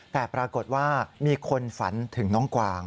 แต่ปรากฏว่ามีคนฝันถึงน้องกวาง